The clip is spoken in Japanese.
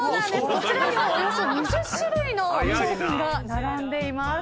こちらにはおよそ２０種類の商品が並んでいます。